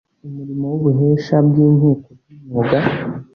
Umurimo w ubuhesha bw inkiko bw umwuga